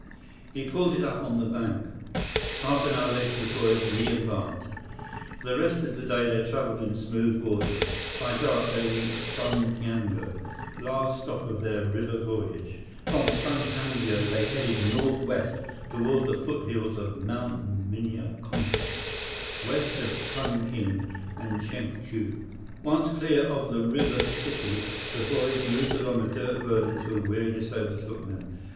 He pulled it up on the bank. Half an hour later the boys reembarked. For the rest of the day they traveled in smooth water. By dark, they reached Sundhiango, last stop of their river voyage. 105 From Sundhiango they headed northwest, toward the foothills of Mt. Minya Konka, west of Chungking and Chengtu. Once clear of the river city, the boys moved along a dirt road until weariness overtook them.